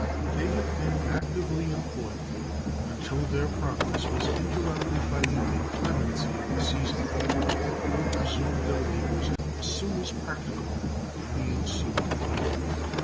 They have been actively employed until their progress was interrupted by the inclemency of the season, and will resume their labors as soon as practicable in the ensuing year.